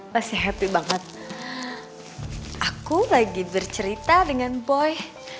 masih happy banget aku lagi bercerita dengan boy